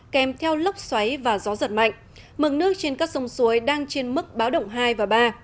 kèm theo lốc xoáy và gió giật mạnh mực nước trên các sông suối đang trên mức báo động hai và ba